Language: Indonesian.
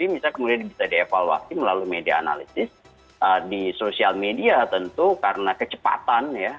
misalnya kemudian bisa dievaluasi melalui media analisis di sosial media tentu karena kecepatan ya